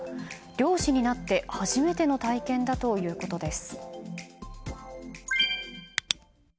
漁師になって初めての体験だということです。